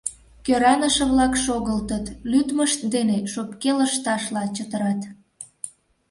Кӧраныше-влак шогылтыт, лӱдмышт дене шопке лышташла чытырат.